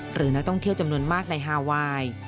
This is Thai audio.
หรือนักท่องเที่ยวจำนวนมากในฮาไวน์